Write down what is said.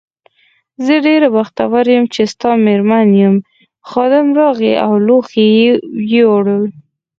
زه ډېره بختوره یم چې ستا مېرمن یم، خادم راغی او لوښي یې یووړل.